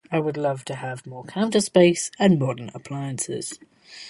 I would love to have more counter space and modern appliances.